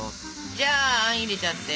じゃああん入れちゃって。